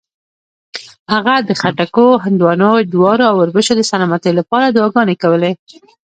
هغه د خټکو، هندواڼو، جوارو او اوربشو د سلامتۍ لپاره دعاګانې کولې.